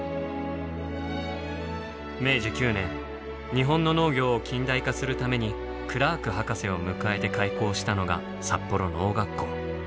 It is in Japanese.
明治９年日本の農業を近代化するためにクラーク博士を迎えて開校したのが札幌農学校。